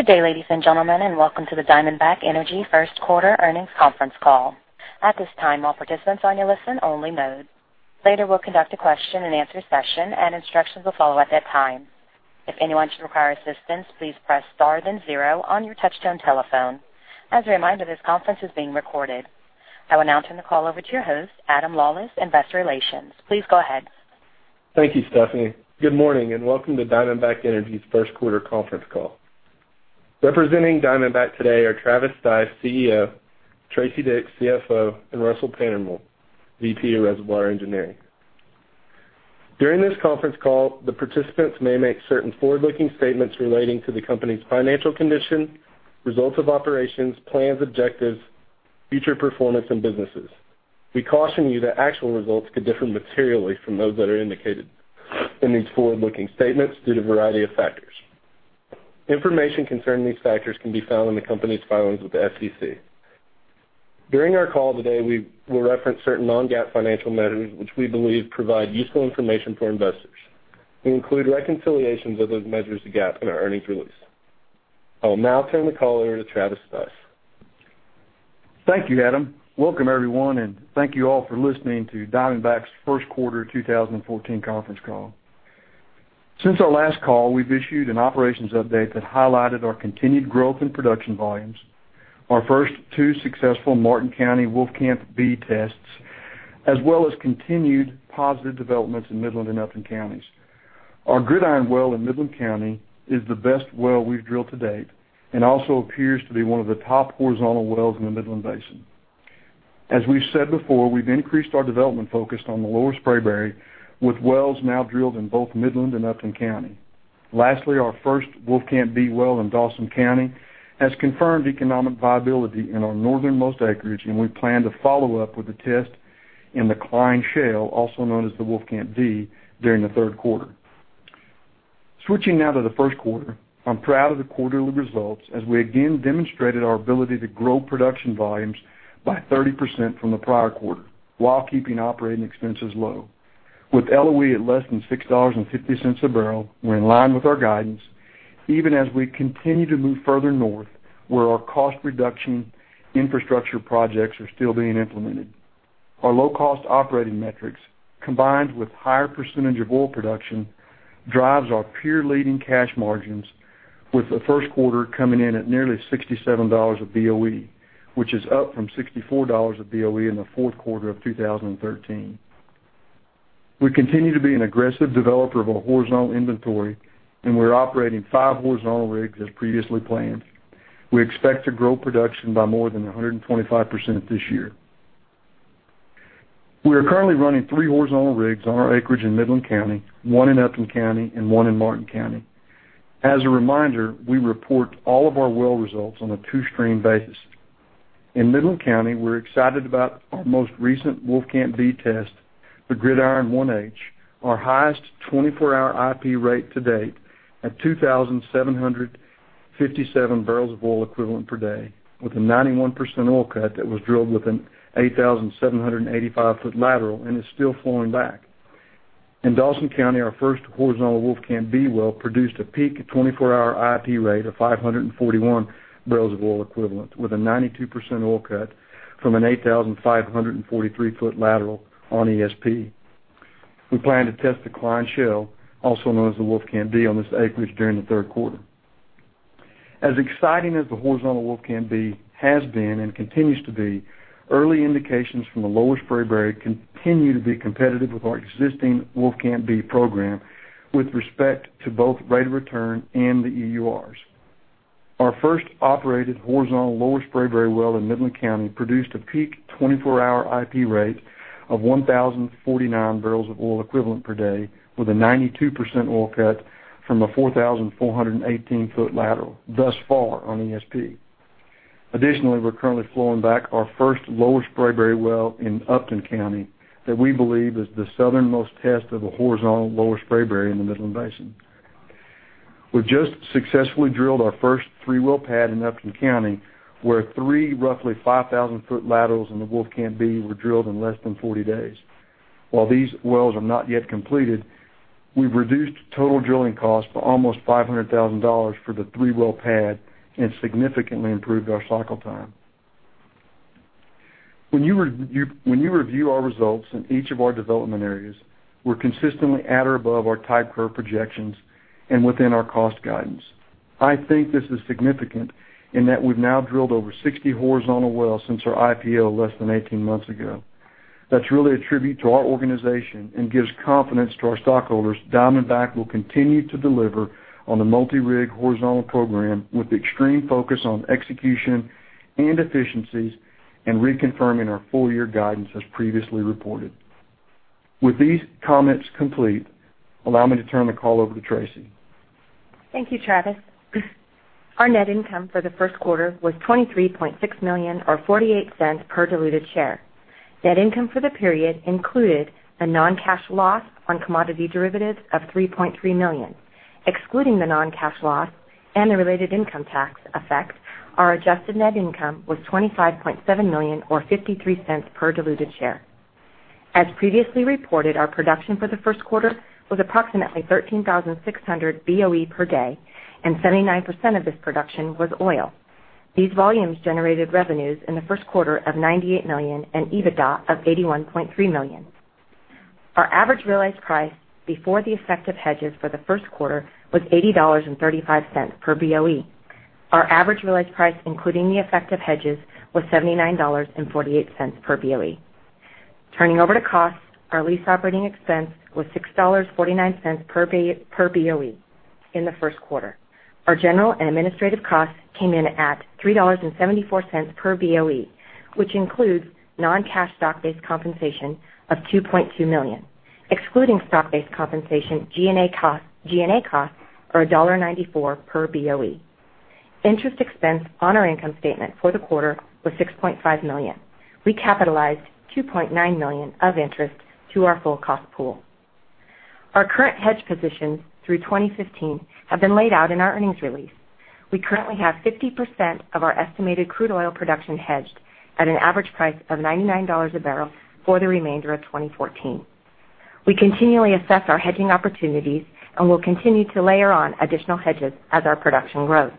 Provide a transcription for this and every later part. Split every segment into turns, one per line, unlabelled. Good day, ladies and gentlemen, and welcome to the Diamondback Energy first quarter earnings conference call. At this time, all participants are in listen-only mode. Later, we'll conduct a question and answer session, and instructions will follow at that time. If anyone should require assistance, please press star then zero on your touchtone telephone. As a reminder, this conference is being recorded. I will now turn the call over to your host, Adam Lawlis, Investor Relations. Please go ahead.
Thank you, Stephanie. Good morning, and welcome to Diamondback Energy's first quarter conference call. Representing Diamondback today are Travis Stice, CEO; Tracy Dick, CFO; and Russell Pantermuehl, VP of Reservoir Engineering. During this conference call, the participants may make certain forward-looking statements relating to the company's financial condition, results of operations, plans, objectives, future performance, and businesses. We caution you that actual results could differ materially from those that are indicated in these forward-looking statements due to a variety of factors. Information concerning these factors can be found in the company's filings with the SEC. During our call today, we will reference certain non-GAAP financial measures which we believe provide useful information for investors. We include reconciliations of those measures to GAAP in our earnings release. I will now turn the call over to Travis Stice.
Thank you, Adam. Welcome, everyone, and thank you all for listening to Diamondback's first quarter 2014 conference call. Since our last call, we've issued an operations update that highlighted our continued growth in production volumes, our first two successful Martin County Wolfcamp B tests, as well as continued positive developments in Midland and Upton counties. Our Gridiron well in Midland County is the best well we've drilled to date and also appears to be one of the top horizontal wells in the Midland Basin. As we've said before, we've increased our development focus on the Lower Spraberry, with wells now drilled in both Midland and Upton County. Lastly, our first Wolfcamp B well in Dawson County has confirmed economic viability in our northernmost acreage, and we plan to follow up with a test in the Cline Shale, also known as the Wolfcamp D, during the third quarter. Switching now to the first quarter, I'm proud of the quarterly results as we again demonstrated our ability to grow production volumes by 30% from the prior quarter while keeping operating expenses low. With LOE at less than $6.50 a barrel, we're in line with our guidance, even as we continue to move further north, where our cost reduction infrastructure projects are still being implemented. Our low-cost operating metrics, combined with higher percentage of oil production, drives our peer-leading cash margins, with the first quarter coming in at nearly $67 a BOE, which is up from $64 a BOE in the fourth quarter of 2013. We continue to be an aggressive developer of a horizontal inventory, and we're operating five horizontal rigs as previously planned. We expect to grow production by more than 125% this year. We are currently running three horizontal rigs on our acreage in Midland County, one in Upton County, and one in Martin County. As a reminder, we report all of our well results on a two-stream basis. In Midland County, we are excited about our most recent Wolfcamp B test, the Gridiron 1H, our highest 24-hour IP rate to date at 2,757 BOE per day, with a 91% oil cut that was drilled with an 8,785-foot lateral and is still flowing back. In Dawson County, our first horizontal Wolfcamp B well produced a peak 24-hour IP rate of 541 BOE with a 92% oil cut from an 8,543-foot lateral on ESP. We plan to test the Cline Shale, also known as the Wolfcamp D, on this acreage during the third quarter. As exciting as the horizontal Wolfcamp B has been and continues to be, early indications from the Lower Spraberry continue to be competitive with our existing Wolfcamp B program with respect to both rate of return and the EURs. Our first operated horizontal Lower Spraberry well in Midland County produced a peak 24-hour IP rate of 1,049 BOE per day with a 92% oil cut from a 4,418-foot lateral thus far on ESP. Additionally, we are currently flowing back our first Lower Spraberry well in Upton County that we believe is the southernmost test of a horizontal Lower Spraberry in the Midland Basin. We have just successfully drilled our first three-well pad in Upton County, where three roughly 5,000-foot laterals in the Wolfcamp B were drilled in less than 40 days. While these wells are not yet completed, we have reduced total drilling costs by almost $500,000 for the three-well pad and significantly improved our cycle time. When you review our results in each of our development areas, we are consistently at or above our type curve projections and within our cost guidance. I think this is significant in that we have now drilled over 60 horizontal wells since our IPO less than 18 months ago. That is really a tribute to our organization and gives confidence to our stockholders Diamondback will continue to deliver on the multi-rig horizontal program with extreme focus on execution and efficiencies and reconfirming our full-year guidance as previously reported. With these comments complete, allow me to turn the call over to Tracy.
Thank you, Travis. Our net income for the first quarter was $23.6 million, or $0.48 per diluted share. Net income for the period included a non-cash loss on commodity derivative of $3.3 million. Excluding the non-cash loss and the related income tax effect, our adjusted net income was $25.7 million, or $0.53 per diluted share. As previously reported, our production for the first quarter was approximately 13,600 BOE per day, and 79% of this production was oil. These volumes generated revenues in the first quarter of $98 million and EBITDA of $81.3 million. Our average realized price before the effect of hedges for the first quarter was $80.35 per BOE. Our average realized price, including the effect of hedges, was $79.48 per BOE. Turning over to costs, our lease operating expense was $6.49 per BOE in the first quarter.
Our general and administrative costs came in at $3.74 per BOE, which includes non-cash stock-based compensation of $2.2 million. Excluding stock-based compensation, G&A costs are $1.94 per BOE. Interest expense on our income statement for the quarter was $6.5 million. We capitalized $2.9 million of interest to our full cost pool. Our current hedge positions through 2015 have been laid out in our earnings release. We currently have 50% of our estimated crude oil production hedged at an average price of $99 a barrel for the remainder of 2014. We continually assess our hedging opportunities and will continue to layer on additional hedges as our production grows.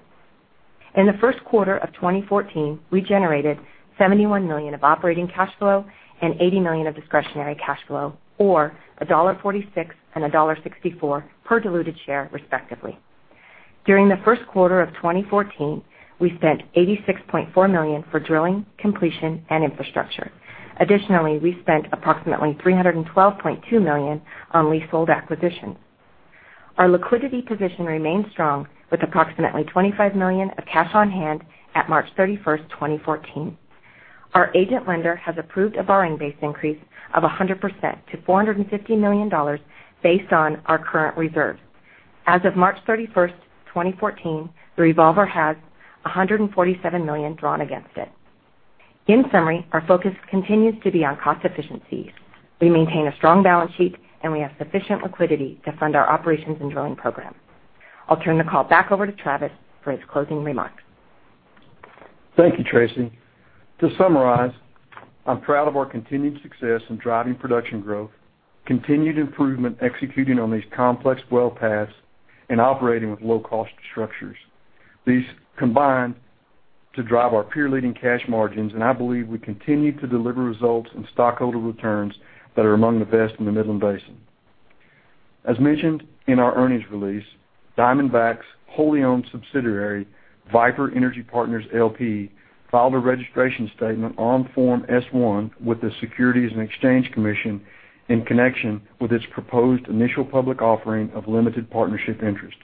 In the first quarter of 2014, we generated $71 million of operating cash flow and $80 million of discretionary cash flow, or $1.46 and $1.64 per diluted share, respectively. During the first quarter of 2014, we spent $86.4 million for drilling, completion, and infrastructure. Additionally, we spent approximately $312.2 million on leasehold acquisitions. Our liquidity position remains strong with approximately $25 million of cash on hand at March 31st, 2014. Our agent lender has approved a borrowing base increase of 100% to $450 million based on our current reserves. As of March 31st, 2014, the revolver has $147 million drawn against it. In summary, our focus continues to be on cost efficiencies. We maintain a strong balance sheet, and we have sufficient liquidity to fund our operations and drilling program. I'll turn the call back over to Travis for his closing remarks.
Thank you, Tracy. To summarize, I'm proud of our continued success in driving production growth, continued improvement executing on these complex well paths, and operating with low-cost structures. These combine to drive our peer-leading cash margins, and I believe we continue to deliver results in stockholder returns that are among the best in the Midland Basin. As mentioned in our earnings release, Diamondback's wholly owned subsidiary, Viper Energy Partners LP, filed a registration statement on Form S-1 with the Securities and Exchange Commission in connection with its proposed initial public offering of limited partnership interest.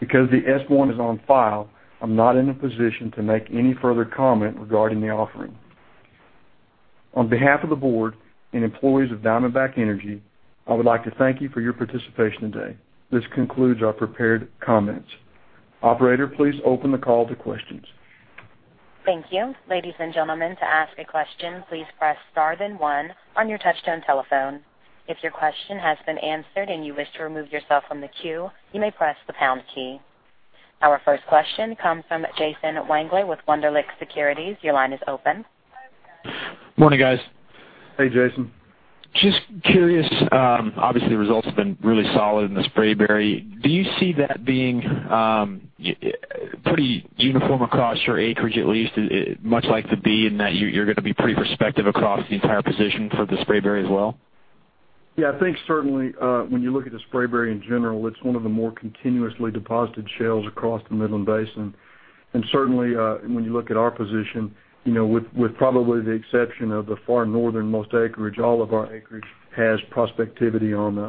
Because the S-1 is on file, I'm not in a position to make any further comment regarding the offering. On behalf of the board and employees of Diamondback Energy, I would like to thank you for your participation today. This concludes our prepared comments. Operator, please open the call to questions.
Thank you. Ladies and gentlemen, to ask a question, please press star then one on your touch-tone telephone. If your question has been answered and you wish to remove yourself from the queue, you may press the pound key. Our first question comes from Jason Wangler with Wunderlich Securities. Your line is open.
Morning, guys.
Hey, Jason.
Just curious, obviously, the results have been really solid in the Spraberry. Do you see that being pretty uniform across your acreage, at least, much like the B in that you're going to be pretty prospective across the entire position for the Spraberry as well?
Yeah, I think certainly, when you look at the Spraberry in general, it's one of the more continuously deposited shales across the Midland Basin. Certainly, when you look at our position, with probably the exception of the far northernmost acreage, all of our acreage has prospectivity on the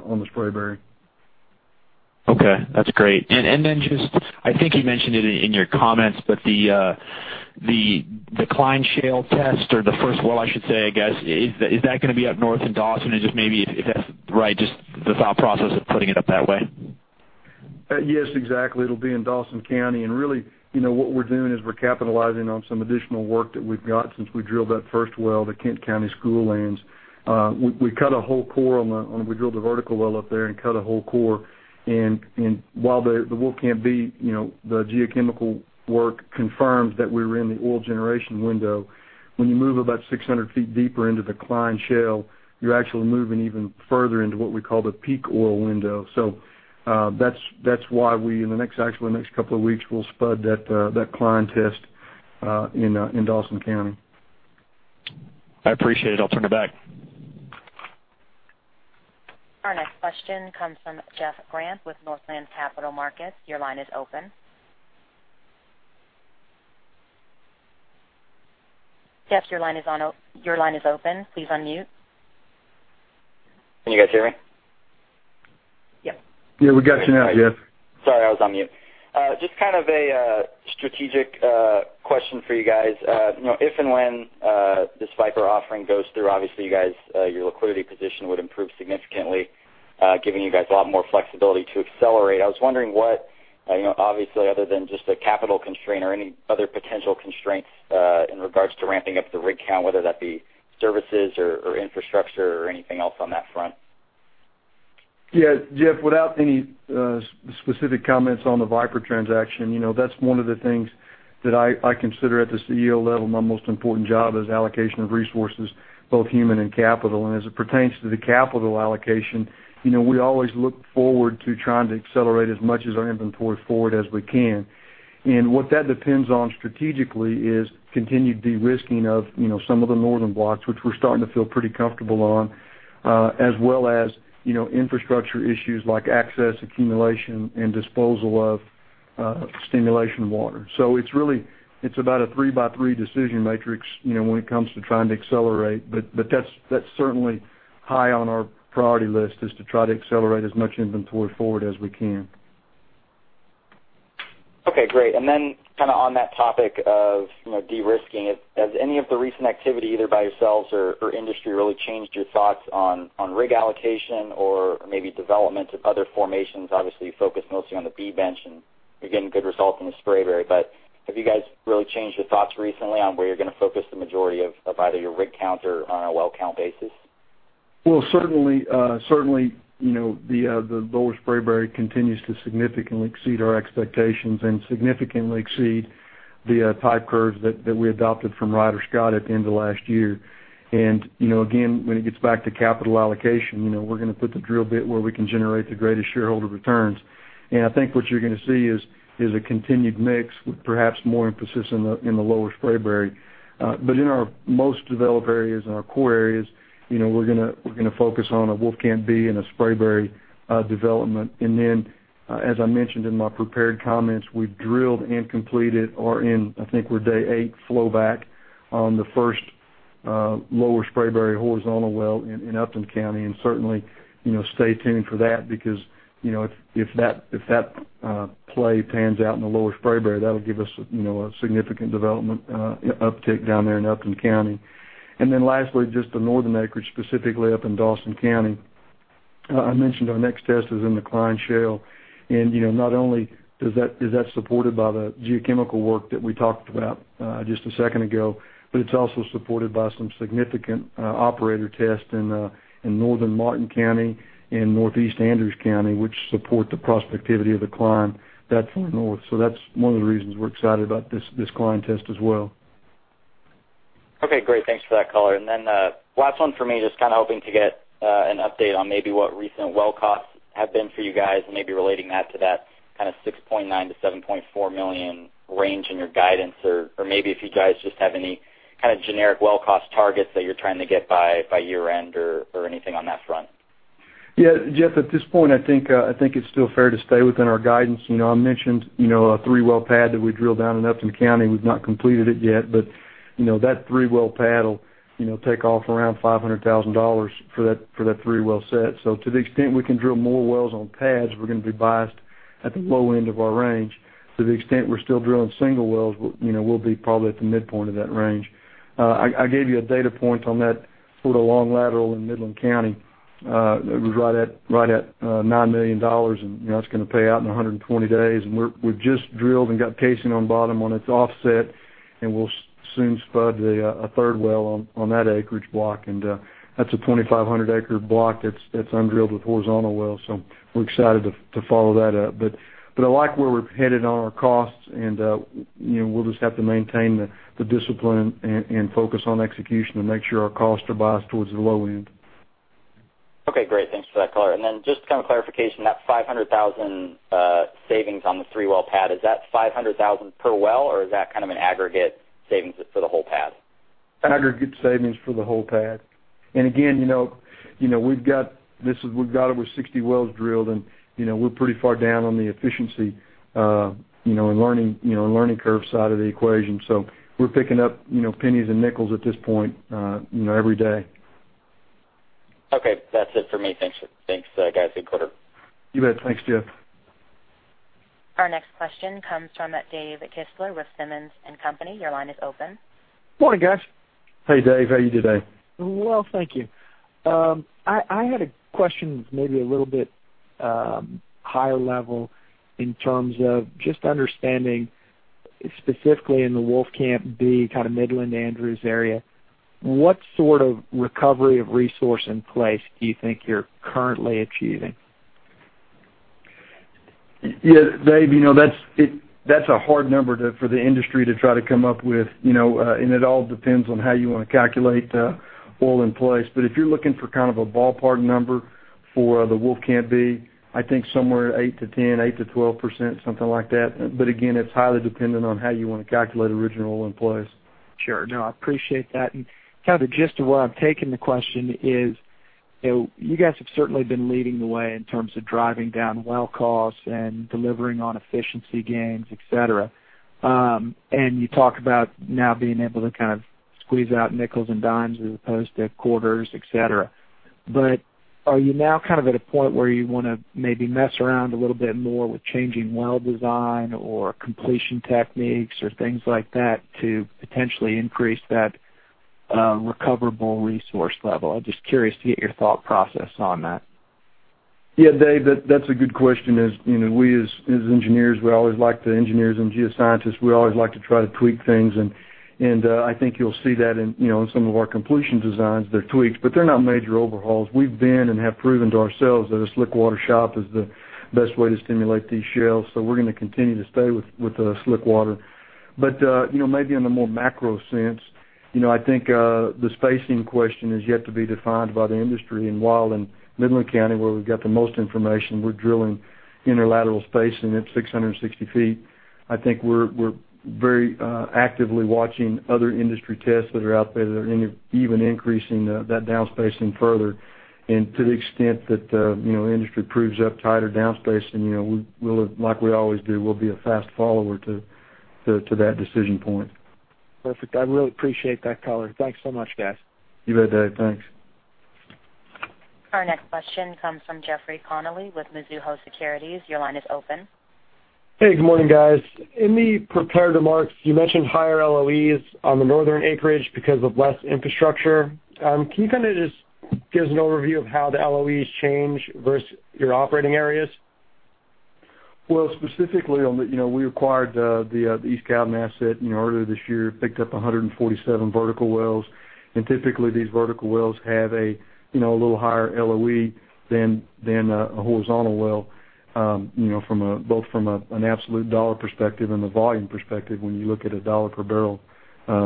Spraberry.
I think you mentioned it in your comments, the Cline Shale test or the first well, I should say, I guess, is that going to be up north in Dawson? Just maybe if that's right, just the thought process of putting it up that way.
Yes, exactly. It'll be in Dawson County, what we're doing is we're capitalizing on some additional work that we've got since we drilled that first well, the Kent County School lands. We drilled a vertical well up there and cut a whole core, while the Wolfcamp B, the geochemical work confirms that we're in the oil generation window, when you move about 600 feet deeper into the Cline Shale, you're actually moving even further into what we call the peak oil window. That's why we, in the next couple of weeks, will spud that Cline test in Dawson County.
I appreciate it. I'll turn it back.
Our next question comes from Jeff Grant with Northland Capital Markets. Your line is open. Jeff, your line is open. Please unmute.
Can you guys hear me?
Yep.
Yeah, we got you now, Jeff.
Sorry, I was on mute. Just a strategic question for you guys. If and when this Viper offering goes through, obviously, your liquidity position would improve significantly, giving you guys a lot more flexibility to accelerate. I was wondering what, obviously, other than just a capital constraint or any other potential constraints in regards to ramping up the rig count, whether that be services or infrastructure or anything else on that front?
Yeah, Jeff, without any specific comments on the Viper transaction, that's one of the things that I consider at the CEO level, my most important job is allocation of resources, both human and capital. As it pertains to the capital allocation, we always look forward to trying to accelerate as much as our inventory forward as we can. What that depends on strategically is continued de-risking of some of the northern blocks, which we're starting to feel pretty comfortable on, as well as infrastructure issues like access, accumulation, and disposal of stimulation water. It's about a three-by-three decision matrix, when it comes to trying to accelerate. That's certainly high on our priority list, is to try to accelerate as much inventory forward as we can.
Okay, great. Then on that topic of de-risking, has any of the recent activity, either by yourselves or industry, really changed your thoughts on rig allocation or maybe development of other formations? Obviously, you focus mostly on the B bench, and you're getting good results in the Spraberry. Have you guys really changed your thoughts recently on where you're going to focus the majority of either your rig count or on a well count basis?
Well, certainly, the Lower Spraberry continues to significantly exceed our expectations and significantly exceed the type curves that we adopted from Ryder Scott at the end of last year. Again, when it gets back to capital allocation, we're going to put the drill bit where we can generate the greatest shareholder returns. I think what you're going to see is a continued mix with perhaps more emphasis in the Lower Spraberry. In our most developed areas and our core areas, we're going to focus on a Wolfcamp B and a Spraberry development. Then, as I mentioned in my prepared comments, we've drilled and completed or in, I think we're day 8 flowback on the first Lower Spraberry horizontal well in Upton County. Certainly, stay tuned for that because if that play pans out in the Lower Spraberry, that'll give us a significant development uptick down there in Upton County. Then lastly, just the northern acreage, specifically up in Dawson County. I mentioned our next test is in the Cline Shale, not only is that supported by the geochemical work that we talked about just a second ago, it's also supported by some significant operator tests in northern Martin County and northeast Andrews County, which support the prospectivity of the Cline that far north. That's one of the reasons we're excited about this Cline test as well.
Okay, great. Thanks for that color. Then, last one for me, just hoping to get an update on maybe what recent well costs have been for you guys and maybe relating that to that $6.9 million-$7.4 million range in your guidance. Maybe if you guys just have any generic well cost targets that you're trying to get by year-end or anything on that front.
Yeah, Jeff, at this point, I think it's still fair to stay within our guidance. I mentioned a three-well pad that we drilled down in Upton County. We've not completed it yet, but that three-well pad will take off around $500,000 for that three-well set. To the extent we can drill more wells on pads, we're going to be biased at the low end of our range. To the extent we're still drilling single wells, we'll be probably at the midpoint of that range. I gave you a data point on that foot-along lateral in Midland County. It was right at $9 million, and that's going to pay out in 120 days. We've just drilled and got casing on bottom on its offset, and we'll soon spud a third well on that acreage block. That's a 2,500-acre block that's undrilled with horizontal wells. We're excited to follow that up. I like where we're headed on our costs, and we'll just have to maintain the discipline and focus on execution to make sure our costs are biased towards the low end.
Okay, great. Thanks for that color. Then just clarification, that $500,000 savings on the three-well pad, is that $500,000 per well, or is that an aggregate savings for the whole pad?
Aggregate savings for the whole pad. Again, we've got over 60 wells drilled, and we're pretty far down on the efficiency, in learning curve side of the equation. We're picking up pennies and nickels at this point every day.
Okay, that's it for me. Thanks, guys. Good quarter.
You bet. Thanks, Jeff.
Our next question comes from Dave Kistler with Simmons & Company. Your line is open.
Morning, guys.
Hey, Dave. How are you today?
Well, thank you. I had a question maybe a little bit higher level in terms of just understanding specifically in the Wolfcamp B Midland-Andrews area, what sort of recovery of resource in place do you think you're currently achieving?
Yeah, Dave, that's a hard number for the industry to try to come up with, and it all depends on how you want to calculate oil in place. If you're looking for a ballpark number for the Wolfcamp B, I think somewhere 8%-10%, 8%-12%, something like that. Again, it's highly dependent on how you want to calculate original oil in place.
Sure. No, I appreciate that. The gist of where I'm taking the question is, you guys have certainly been leading the way in terms of driving down well costs and delivering on efficiency gains, et cetera. You talk about now being able to squeeze out nickels and dimes as opposed to quarters, et cetera. Are you now at a point where you want to maybe mess around a little bit more with changing well design or completion techniques or things like that to potentially increase that recoverable resource level? I'm just curious to get your thought process on that.
Dave, that's a good question. As engineers and geoscientists, we always like to try to tweak things, and I think you'll see that in some of our completion designs. They're tweaks, but they're not major overhauls. We've been and have proven to ourselves that a slickwater job is the best way to stimulate these shales. We're going to continue to stay with slickwater. Maybe in a more macro sense, I think the spacing question is yet to be defined by the industry. While in Midland County, where we've got the most information, we're drilling interlateral spacing at 660 feet. I think we're very actively watching other industry tests that are out there that are even increasing that down spacing further. To the extent that the industry proves up spacing or down spacing, like we always do, we'll be a fast follower to that decision point.
Perfect. I really appreciate that color. Thanks so much, guys.
You bet, Dave. Thanks.
Our next question comes from Jeffrey Connolly with Mizuho Securities. Your line is open.
Hey, good morning, guys. In the prepared remarks, you mentioned higher LOEs on the northern acreage because of less infrastructure. Can you just give us an overview of how the LOEs change versus your operating areas?
Well, specifically, we acquired the East Cowden asset earlier this year, picked up 147 vertical wells. Typically, these vertical wells have a little higher LOE than a horizontal well both from an absolute dollar perspective and the volume perspective when you look at a dollar per barrel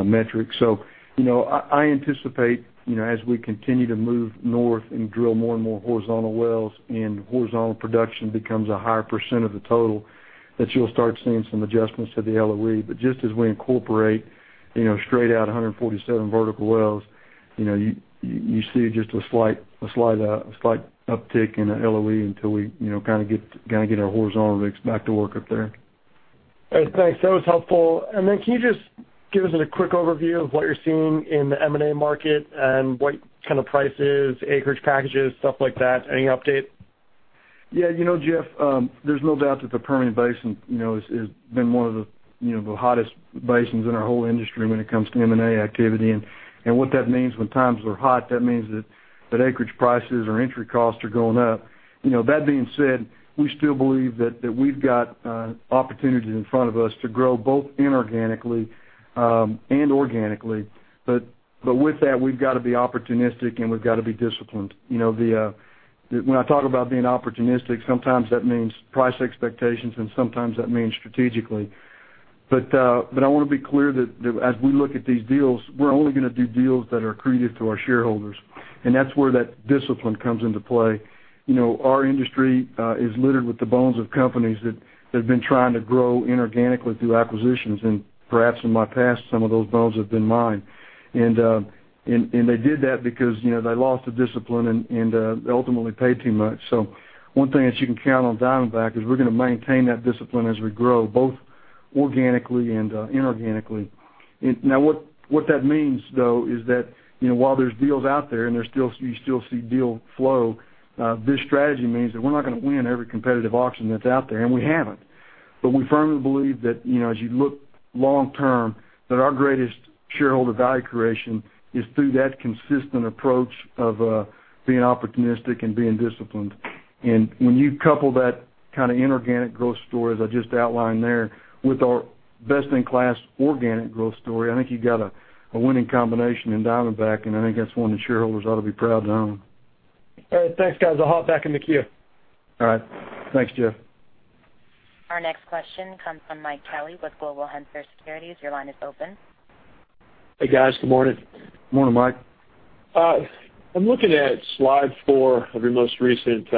metric. I anticipate, as we continue to move north and drill more and more horizontal wells and horizontal production becomes a higher % of the total, that you'll start seeing some adjustments to the LOE. Just as we incorporate straight out 147 vertical wells, you see just a slight uptick in the LOE until we get our horizontal rigs back to work up there.
All right. Thanks. That was helpful. Then can you just give us a quick overview of what you're seeing in the M&A market and what kind of prices, acreage packages, stuff like that? Any update?
Yeah. Jeff, there's no doubt that the Permian Basin has been one of the hottest basins in our whole industry when it comes to M&A activity. What that means when times are hot, that means that acreage prices or entry costs are going up. That being said, we still believe that we've got opportunities in front of us to grow both inorganically and organically. With that, we've got to be opportunistic, and we've got to be disciplined. When I talk about being opportunistic, sometimes that means price expectations, and sometimes that means strategically. I want to be clear that as we look at these deals, we're only going to do deals that are accretive to our shareholders, and that's where that discipline comes into play. Our industry is littered with the bones of companies that have been trying to grow inorganically through acquisitions, and perhaps in my past, some of those bones have been mine. They did that because they lost the discipline and ultimately paid too much. One thing that you can count on Diamondback is we're going to maintain that discipline as we grow, both organically and inorganically. What that means, though, is that while there's deals out there and you still see deal flow, this strategy means that we're not going to win every competitive auction that's out there, and we haven't. We firmly believe that as you look long term, that our greatest shareholder value creation is through that consistent approach of being opportunistic and being disciplined. When you couple that kind of inorganic growth story, as I just outlined there, with our best-in-class organic growth story, I think you've got a winning combination in Diamondback, and I think that's one that shareholders ought to be proud to own.
All right. Thanks, guys. I'll hop back in the queue.
All right. Thanks, Jeff.
Our next question comes from Michael Kelly with Global Hunter Securities. Your line is open.
Hey, guys. Good morning.
Good morning, Mike.
I'm looking at slide four of your most recent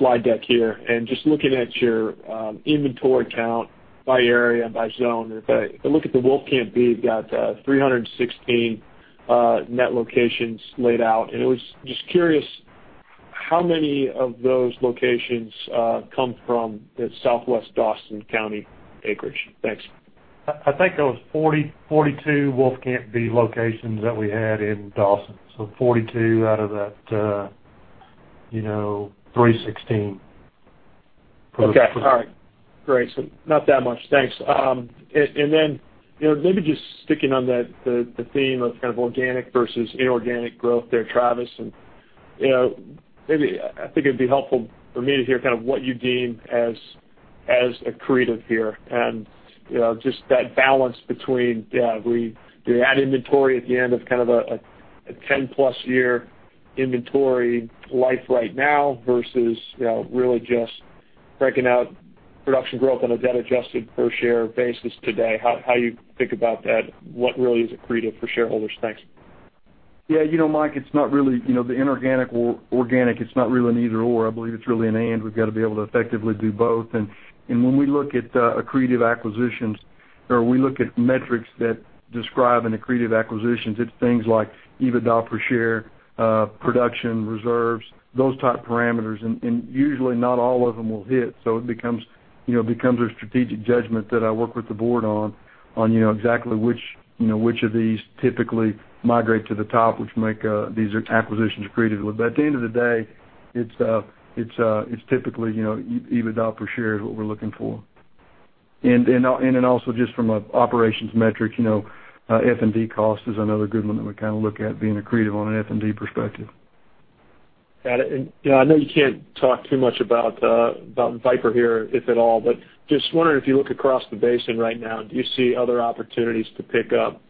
slide deck here and just looking at your inventory count by area and by zone. If I look at the Wolfcamp B, you've got 316 net locations laid out, and I was just curious how many of those locations come from the Southwest Dawson County acreage? Thanks.
I think that was 42 Wolfcamp B locations that we had in Dawson. 42 out of that 316.
Okay. All right. Great. Not that much. Thanks. Maybe just sticking on the theme of organic versus inorganic growth there, Travis, I think it'd be helpful for me to hear what you deem as accretive here and just that balance between do we add inventory at the end of a 10-plus year inventory life right now versus really just breaking out production growth on a debt-adjusted per share basis today? How you think about that? What really is accretive for shareholders? Thanks.
Yeah. Mike, the inorganic or organic, it's not really an either/or. I believe it's really an and. We've got to be able to effectively do both. When we look at accretive acquisitions, or we look at metrics that describe an accretive acquisitions, it's things like EBITDA per share, production reserves, those type parameters. Usually, not all of them will hit. It becomes a strategic judgment that I work with the board on exactly which of these typically migrate to the top, which make these acquisitions accretive. At the end of the day, it's typically EBITDA per share is what we're looking for. Also just from an operations metric, F&D cost is another good one that we look at being accretive on an F&D perspective.
Got it. I know you can't talk too much about Viper here, if at all, but just wondering, if you look across the basin right now, do you see other opportunities to pick up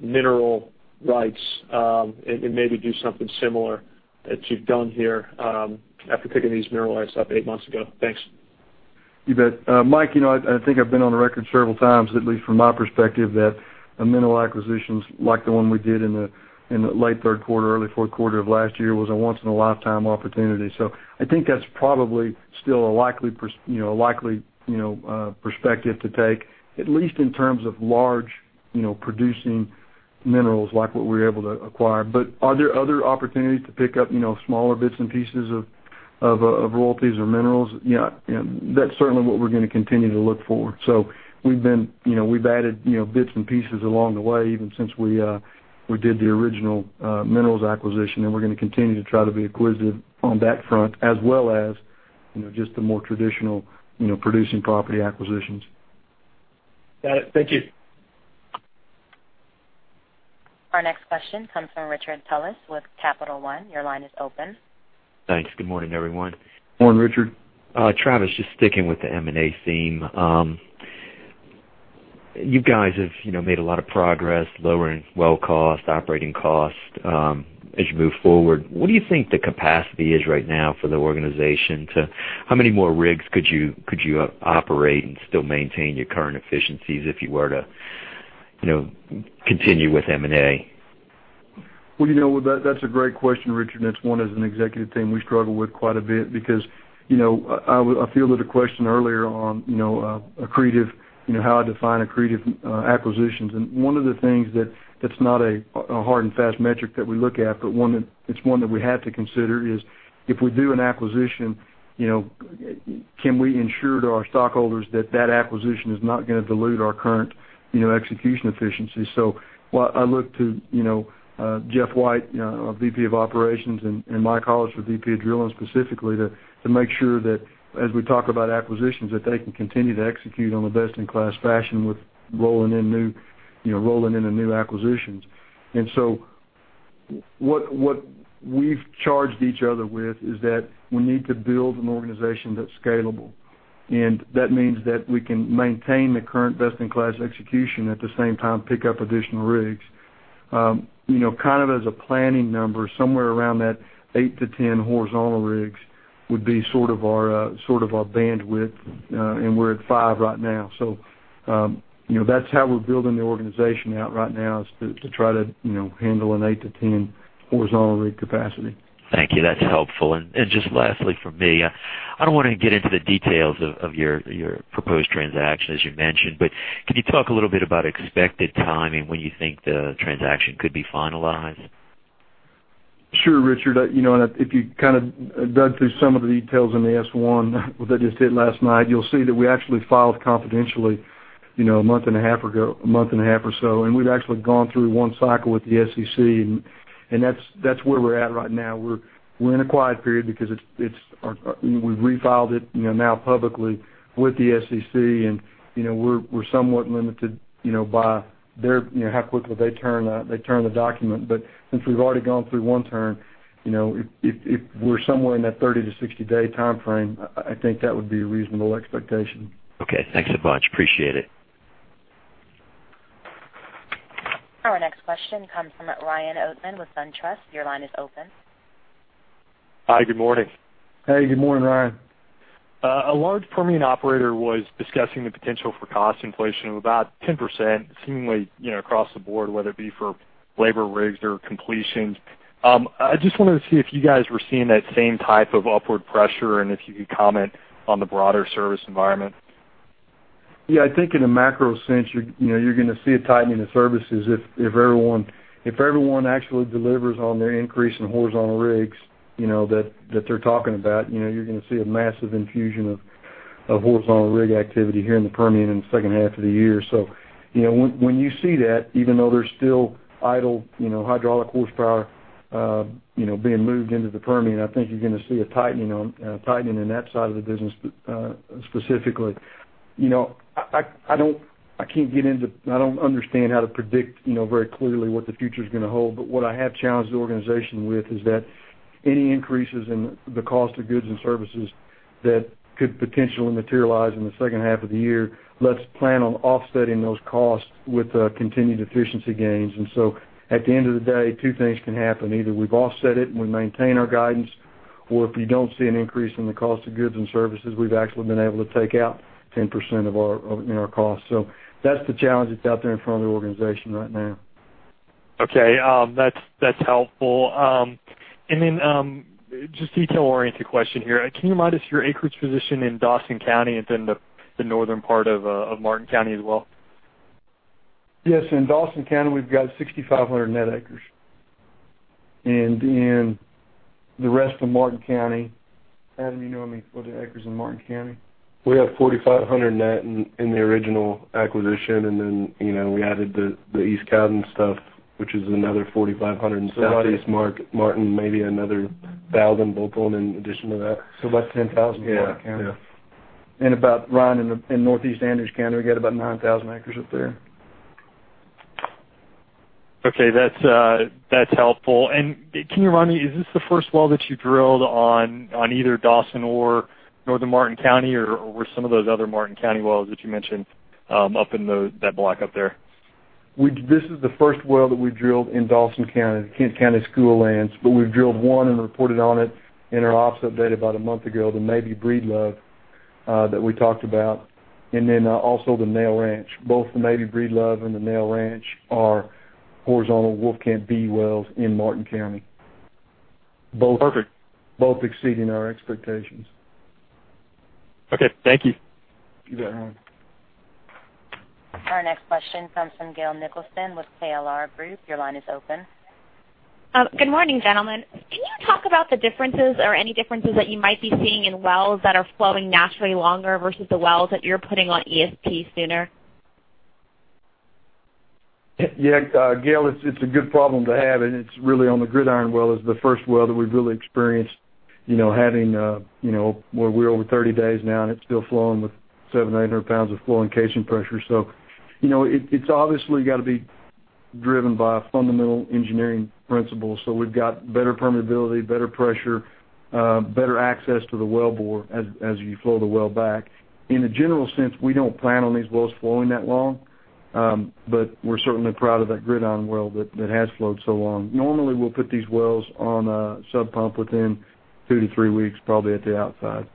mineral rights, and maybe do something similar that you've done here after picking these mineral rights up eight months ago? Thanks.
You bet. Mike, I think I've been on the record several times, at least from my perspective, that mineral acquisitions, like the one we did in the late third quarter, early fourth quarter of last year, was a once in a lifetime opportunity. I think that's probably still a likely perspective to take, at least in terms of large producing minerals, like what we were able to acquire. Are there other opportunities to pick up smaller bits and pieces of royalties or minerals? Yeah. That's certainly what we're going to continue to look for. We've added bits and pieces along the way, even since we did the original minerals acquisition, and we're going to continue to try to be acquisitive on that front, as well as just the more traditional producing property acquisitions.
Got it. Thank you.
Our next question comes from Richard Tullis with Capital One. Your line is open.
Thanks. Good morning, everyone.
Morning, Richard.
Travis, just sticking with the M&A theme. You guys have made a lot of progress lowering well cost, operating cost. As you move forward, what do you think the capacity is right now for the organization to how many more rigs could you operate and still maintain your current efficiencies if you were to continue with M&A?
Well, that's a great question, Richard. That's one, as an executive team, we struggle with quite a bit because I fielded a question earlier on accretive, how I define accretive acquisitions. One of the things that's not a hard and fast metric that we look at, but it's one that we have to consider is, if we do an acquisition, can we ensure to our stockholders that acquisition is not going to dilute our current execution efficiency? While I look to Jeff White, our VP of Operations, and Mike Hollars, our VP of Drilling, specifically, to make sure that as we talk about acquisitions, that they can continue to execute on the best-in-class fashion with rolling into new acquisitions. What we've charged each other with is that we need to build an organization that's scalable, and that means that we can maintain the current best-in-class execution, at the same time, pick up additional rigs. As a planning number, somewhere around that 8-10 horizontal rigs would be our bandwidth, and we're at five right now. That's how we're building the organization out right now, is to try to handle an 8-10 horizontal rig capacity.
Thank you. That's helpful. Just lastly from me, I don't want to get into the details of your proposed transaction, as you mentioned, but can you talk a little bit about expected timing, when you think the transaction could be finalized?
Sure, Richard. If you dug through some of the details in the S-1 that just hit last night, you'll see that we actually filed confidentially a month and a half or so, and we've actually gone through one cycle with the SEC, and that's where we're at right now. We're in a quiet period because we've refiled it now publicly with the SEC, and we're somewhat limited by how quickly they turn the document. Since we've already gone through one turn, if we're somewhere in that 30-60 day timeframe, I think that would be a reasonable expectation.
Okay. Thanks a bunch. Appreciate it.
Our next question comes from Ryan Oatman with SunTrust. Your line is open.
Hi. Good morning.
Hey. Good morning, Ryan.
A large Permian operator was discussing the potential for cost inflation of about 10%, seemingly across the board, whether it be for labor rigs or completions. I just wanted to see if you guys were seeing that same type of upward pressure, and if you could comment on the broader service environment.
Yeah. I think in a macro sense, you're going to see a tightening of services. If everyone actually delivers on their increase in horizontal rigs that they're talking about, you're going to see a massive infusion of horizontal rig activity here in the Permian in the second half of the year. When you see that, even though there's still idle hydraulic horsepower being moved into the Permian, I think you're going to see a tightening on that side of the business specifically. I don't understand how to predict very clearly what the future's going to hold. What I have challenged the organization with is that any increases in the cost of goods and services that could potentially materialize in the second half of the year, let's plan on offsetting those costs with continued efficiency gains. At the end of the day, two things can happen. Either we've offset it and we maintain our guidance, or if we don't see an increase in the cost of goods and services, we've actually been able to take out 10% in our costs. That's the challenge that's out there in front of the organization right now.
Okay. That's helpful. Just detail-oriented question here. Can you remind us your acreage position in Dawson County and then the northern part of Martin County as well?
Yes. In Dawson County, we've got 6,500 net acres. In the rest of Martin County, Adam, you know how many acres in Martin County?
We have 4,500 net in the original acquisition, and then we added the East Cowden stuff, which is another 4,500 and something.
That is Martin, maybe another 1,000 bulk on in addition to that.
About 10,000 for that county.
Yeah.
About, Ryan, in Northeast Andrews County, we got about 9,000 acres up there.
Okay, that's helpful. Can you remind me, is this the first well that you drilled on either Dawson or Northern Martin County, or were some of those other Martin County wells that you mentioned up in that block up there?
This is the first well that we drilled in Dawson County, Kent County School lands, we've drilled one and reported on it in our ops update about a month ago, the Mabee Breedlove, that we talked about, also the Nail Ranch. Both the Mabee Breedlove and the Nail Ranch are horizontal Wolfcamp B wells in Martin County.
Perfect.
Both exceeding our expectations.
Okay. Thank you.
You bet, Ryan.
Our next question comes from Gail Nicholson with KLR Group, LLC. Your line is open.
Good morning, gentlemen. Can you talk about the differences or any differences that you might be seeing in wells that are flowing naturally longer versus the wells that you're putting on ESP sooner?
Yeah, Gail, it's a good problem to have, and it's really on the Gridiron well is the first well that we've really experienced having, where we're over 30 days now, and it's still flowing with seven, 800 pounds of flowing casing pressure. It's obviously got to be driven by a fundamental engineering principle. We've got better permeability, better pressure, better access to the wellbore as you flow the well back. In a general sense, we don't plan on these wells flowing that long, but we're certainly proud of that Gridiron well that has flowed so long. Normally, we'll put these wells on a sub-pump within two to three weeks, probably at the outside.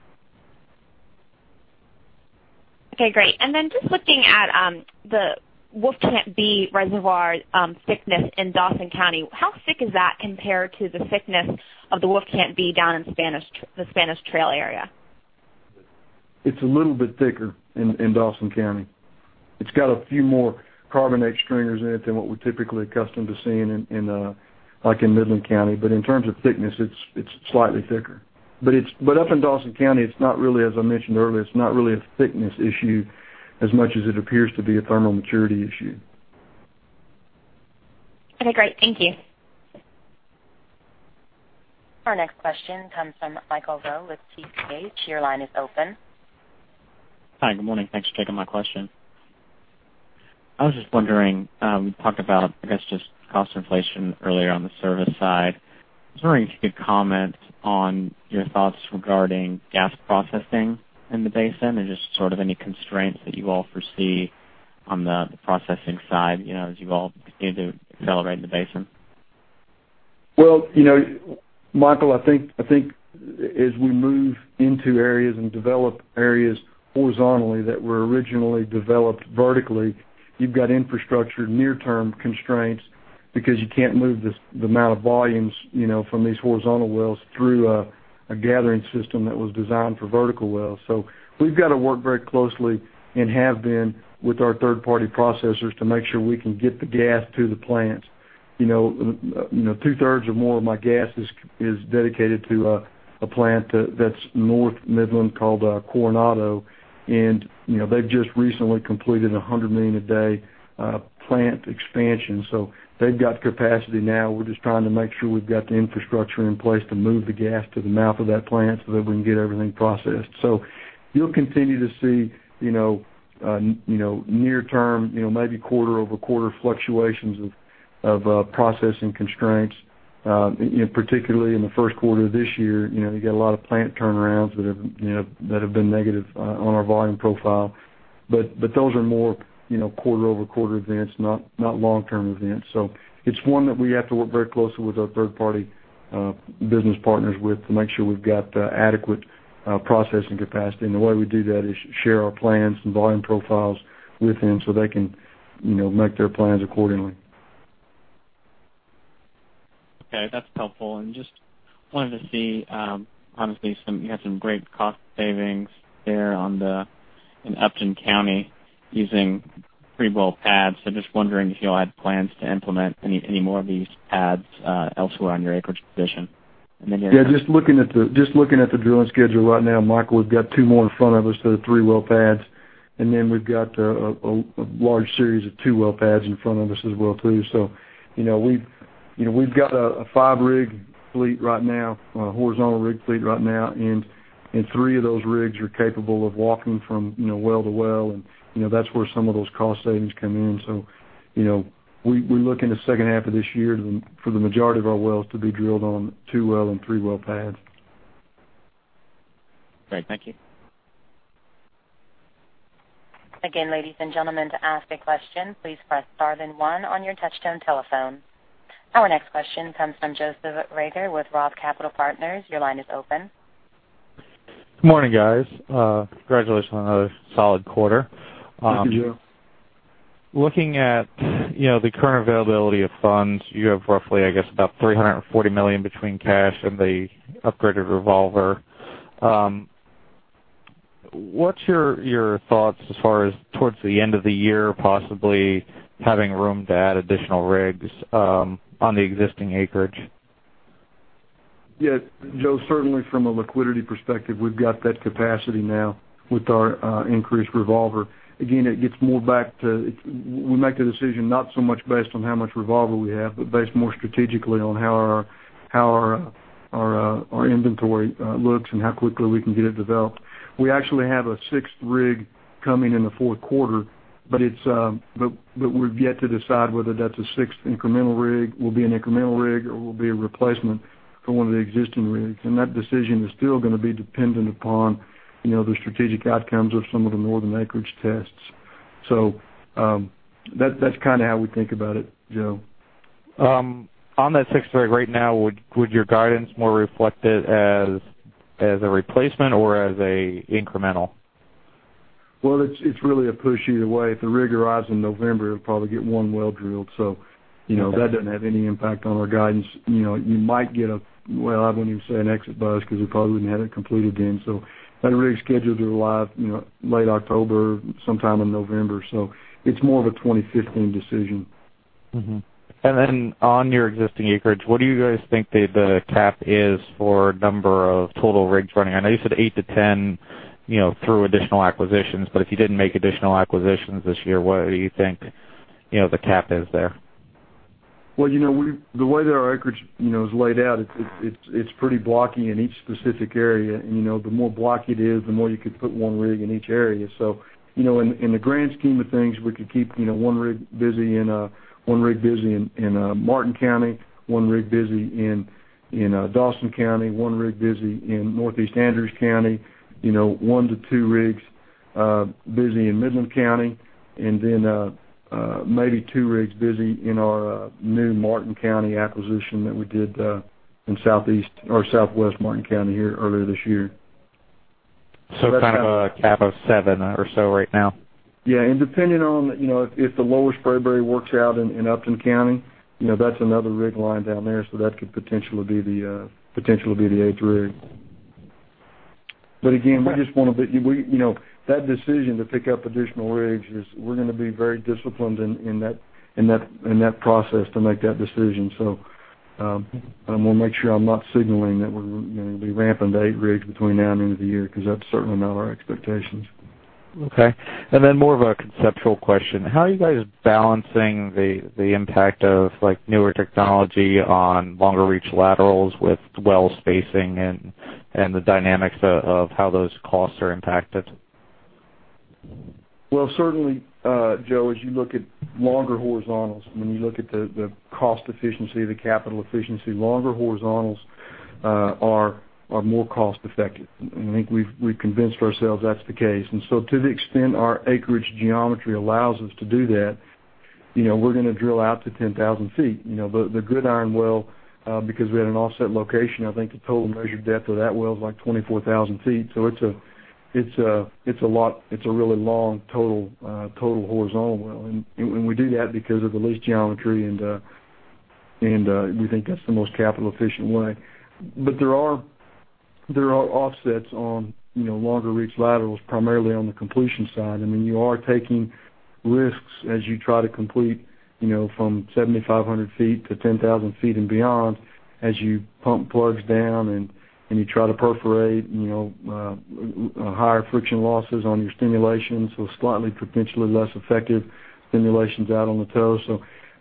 Okay, great. Just looking at the Wolfcamp B reservoir thickness in Dawson County, how thick is that compared to the thickness of the Wolfcamp B down in the Spanish Trail area?
It's a little bit thicker in Dawson County. It's got a few more carbonate stringers in it than what we're typically accustomed to seeing in Midland County. In terms of thickness, it's slightly thicker. Up in Dawson County, as I mentioned earlier, it's not really a thickness issue as much as it appears to be a thermal maturity issue.
Okay, great. Thank you.
Our next question comes from Michael Rowe with TPH. Your line is open.
Hi. Good morning. Thanks for taking my question. I was just wondering, you talked about, I guess, just cost inflation earlier on the service side. I was wondering if you could comment on your thoughts regarding gas processing in the basin, and just any constraints that you all foresee on the processing side, as you all continue to accelerate in the basin.
Well, Michael, I think as we move into areas and develop areas horizontally that were originally developed vertically, you've got infrastructure near-term constraints because you can't move the amount of volumes from these horizontal wells through a gathering system that was designed for vertical wells. We've got to work very closely, and have been, with our third-party processors to make sure we can get the gas to the plants. Two-thirds or more of my gas is dedicated to a plant that's North Midland called Coronado, and they've just recently completed a $100 million a day plant expansion. They've got the capacity now. We're just trying to make sure we've got the infrastructure in place to move the gas to the mouth of that plant so that we can get everything processed. You'll continue to see near-term, maybe quarter-over-quarter fluctuations of processing constraints. Particularly in the first quarter of this year, you got a lot of plant turnarounds that have been negative on our volume profile. Those are more quarter-over-quarter events, not long-term events. It's one that we have to work very closely with our third-party business partners with to make sure we've got adequate processing capacity. The way we do that is share our plans and volume profiles with them so they can make their plans accordingly.
Okay, that's helpful. Just wanted to see, honestly, you had some great cost savings there in Upton County using 3 well pads. Just wondering if you all had plans to implement any more of these pads elsewhere on your acreage position.
Yeah, just looking at the drilling schedule right now, Michael, we've got two more in front of us to the three well pads, and then we've got a large series of two well pads in front of us as well too. We've got a five rig fleet right now, a horizontal rig fleet right now, and three of those rigs are capable of walking from well to well, and that's where some of those cost savings come in. We're looking to second half of this year for the majority of our wells to be drilled on two well and three well pads.
Great. Thank you.
Again, ladies and gentlemen, to ask a question, please press star then one on your touchtone telephone. Our next question comes from Joseph Rager with ROTH Capital Partners. Your line is open.
Good morning, guys. Congratulations on another solid quarter.
Thank you, Joe.
Looking at the current availability of funds, you have roughly, I guess, about $340 million between cash and the upgraded revolver. What's your thoughts as far as towards the end of the year, possibly having room to add additional rigs on the existing acreage?
Yeah, Joe, certainly from a liquidity perspective, we've got that capacity now with our increased revolver. Again, we make the decision not so much based on how much revolver we have, but based more strategically on how our inventory looks and how quickly we can get it developed. We actually have a sixth rig coming in the fourth quarter, but we've yet to decide whether that's a sixth incremental rig, will be an incremental rig, or will be a replacement for one of the existing rigs. That decision is still going to be dependent upon the strategic outcomes of some of the northern acreage tests. That's how we think about it, Joe.
On that sixth rig right now, would your guidance more reflect it as a replacement or as a incremental?
It's really a push either way. If the rig arrives in November, it'll probably get one well drilled. That doesn't have any impact on our guidance. You might get a, well, I wouldn't even say an exit buzz, because we probably wouldn't have it completed then. That rig's scheduled to arrive late October, sometime in November. It's more of a 2015 decision.
Then on your existing acreage, what do you guys think the cap is for number of total rigs running? I know you said 8 to 10 through additional acquisitions, if you didn't make additional acquisitions this year, what do you think the cap is there?
Well, the way that our acreage is laid out, it's pretty blocky in each specific area, and the more blocky it is, the more you could put one rig in each area. In the grand scheme of things, we could keep one rig busy in Martin County, one rig busy in Dawson County, one rig busy in Northeast Andrews County, one to two rigs busy in Midland County, and then maybe two rigs busy in our new Martin County acquisition that we did in southeast or southwest Martin County here earlier this year.
Kind of a cap of seven or so right now.
Yeah. Depending on if the Lower Spraberry works out in Upton County, that's another rig line down there, that could potentially be the eighth rig. Again, that decision to pick up additional rigs is we're going to be very disciplined in that process to make that decision. I want to make sure I'm not signaling that we're going to be ramping to eight rigs between now and the end of the year, because that's certainly not our expectations.
Okay. Then more of a conceptual question. How are you guys balancing the impact of newer technology on longer reach laterals with well spacing and the dynamics of how those costs are impacted?
Well, certainly, Joe, as you look at longer horizontals, when you look at the cost efficiency, the capital efficiency, longer horizontals are more cost effective. I think we've convinced ourselves that's the case. So to the extent our acreage geometry allows us to do that, we're going to drill out to 10,000 feet. The Gridiron well, because we had an offset location, I think the total measured depth of that well is like 24,000 feet. It's a really long total horizontal well, and we do that because of the lease geometry, and we think that's the most capital efficient way. There are offsets on longer reach laterals, primarily on the completion side. I mean, you are taking risks as you try to complete from 7,500 feet to 10,000 feet and beyond as you pump plugs down and you try to perforate higher friction losses on your stimulation, slightly potentially less effective stimulations out on the toe.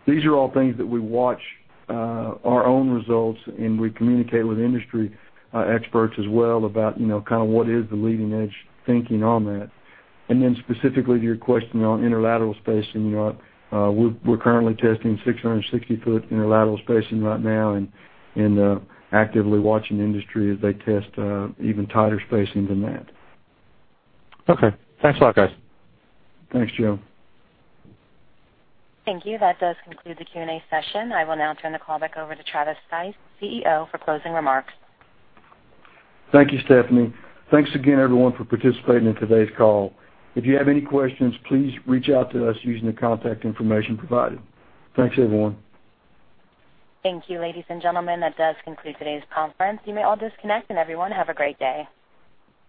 These are all things that we watch our own results, and we communicate with industry experts as well about kind of what is the leading edge thinking on that. Then specifically to your question on interlateral spacing, we're currently testing 660 foot interlateral spacing right now and actively watching industry as they test even tighter spacing than that.
Okay. Thanks a lot, guys.
Thanks, Joe.
Thank you. That does conclude the Q&A session. I will now turn the call back over to Travis Stice, CEO, for closing remarks.
Thank you, Stephanie. Thanks again, everyone, for participating in today's call. If you have any questions, please reach out to us using the contact information provided. Thanks, everyone.
Thank you, ladies and gentlemen. That does conclude today's conference. You may all disconnect. Everyone, have a great day.